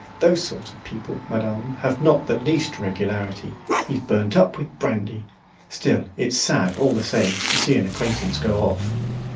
Those sort of people, madame, have not the least regularity; he's burnt up with brandy. Still it's sad, all the same, to see an acquaintance go off."